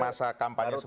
masa kampanye seperti itu